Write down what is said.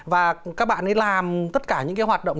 và các bạn ấy làm tất cả những cái hoạt động